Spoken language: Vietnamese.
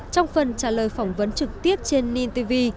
trong phần trả lời phỏng vấn trực tiếp trên ninh tv